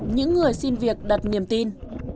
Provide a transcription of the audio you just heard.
những người xin việc đặt niềm tin